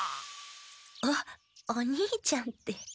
おおにいちゃんって。